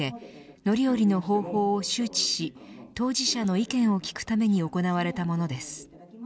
乗り降りの方法を周知し当事者の意見を聞くために行われたものです。